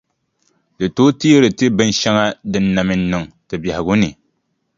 Di tooi teeri ti binʼ shɛŋa din na mi n-niŋ ti biɛhigu ni.